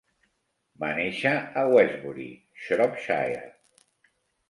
Va néixer a Westbury, Shropshire.